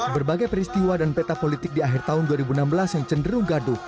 berbagai peristiwa dan peta politik di akhir tahun dua ribu enam belas yang cenderung gaduh